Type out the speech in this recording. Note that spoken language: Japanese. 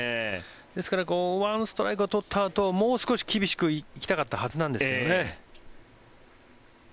ですから１ストライクを取ったあともう少し厳しく行きたかったはずなんですけどね。